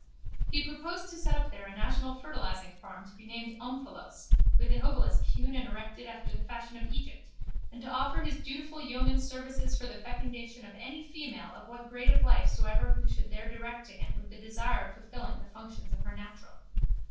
He proposed to set up there a national fertilising farm to be named Omphalos with an obelisk hewn and erected after the fashion of Egypt and to offer his dutiful yeoman services for the fecundation of any female of what grade of life soever who should there direct to him with the desire of fulfilling the functions of her natural.